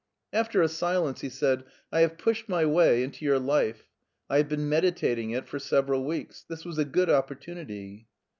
After a silence he said : "I have pushed my way into your life. I have been meditating it for several weeks. This was a good opportunity."